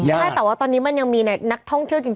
ใช่แต่ว่าตอนนี้มันยังมีนักท่องเที่ยวจริง